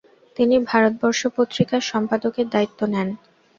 তিনি ভারতবর্ষ পত্রিকার সম্পাদকের দায়িত্ব নেন।